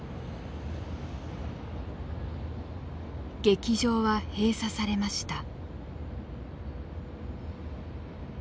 劇場は閉鎖されました。